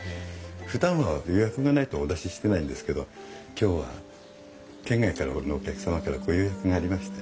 ふだんは予約がないとお出ししてないんですけど今日は県外からのお客様からご予約がありまして。